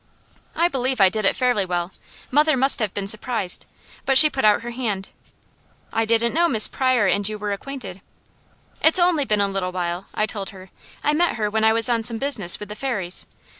I believe I did it fairly well. Mother must have been surprised, but she put out her hand. "I didn't know Miss Pryor and you were acquainted." "It's only been a little while," I told her. "I met her when I was on some business with the Fairies.